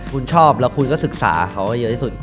คุณชอบแล้วคุณก็ศึกษาเขาให้เยอะที่สุด